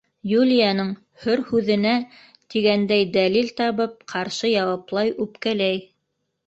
Юлияның һөр һүҙенә тигәндәй дәлил табып ҡаршы яуаплай, үпкәләй.